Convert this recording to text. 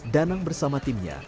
danang bersama timnya